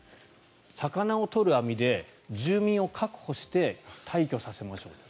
魚を取る網で住民を確保して退去させましょうと。